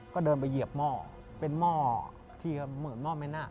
ก็เดินไปเหยียบหม้อเป็นหม้อที่เหมือนหม้อไม่น่า